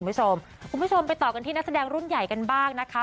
คุณผู้ชมคุณผู้ชมไปต่อกันที่นักแสดงรุ่นใหญ่กันบ้างนะคะ